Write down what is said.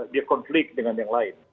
dia konflik dengan yang lain